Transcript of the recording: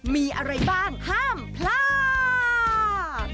มีอะไรบ้างห้ามพลาด